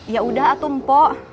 yaudah atum po